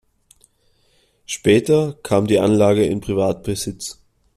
Später kam die Anlage in Privatbesitz.